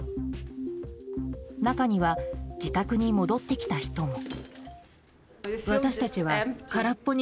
中には、自宅に戻ってきた人も。